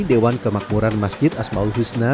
dewan kemakmuran masjid asma ul husna